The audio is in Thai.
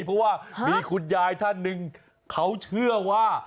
เพราะว่ามีคุณยายท่านหนึ่งเขาเชื่อว่า